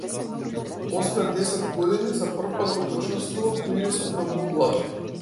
После десет години, за прв пат го почувствував мирисот на мувлата.